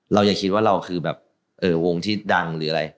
อย่าคิดว่าเราคือแบบวงที่ดังหรืออะไร